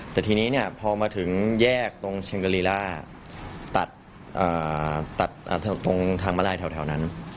แต่ทีนี้เนี่ยพอมาถึงแยกตรงชิงเกอรีล่าตัดตรงทางมาลัยแถวนั้น